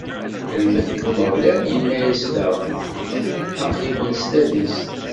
Lmelk n Umeɣlal inna-as daɣen: Aql-ikem s tadist.